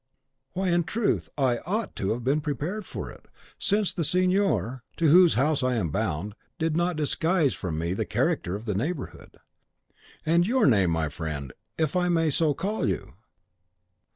"Why, in truth, I OUGHT to have been prepared for it, since the signor, to whose house I am bound, did not disguise from me the character of the neighbourhood. And your name, my friend, if I may so call you?"